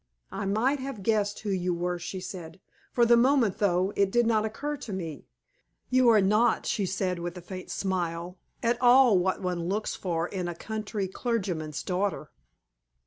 "I might have guessed who you were," she said. "For the moment, though, it did not occur to me. You are not," she said, with a faint smile, "at all what one looks for in a country clergyman's daughter."